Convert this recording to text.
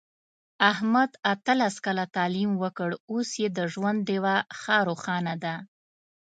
احمد اتلس کاله تعلیم وکړ، اوس یې د ژوند ډېوه ښه روښانه ده.